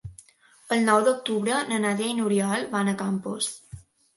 El nou d'octubre na Nàdia i n'Oriol van a Campos.